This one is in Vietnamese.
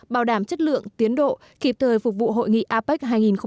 bảo đảm chất lượng tiến độ kịp thời phục vụ hội nghị apec hai nghìn một mươi bảy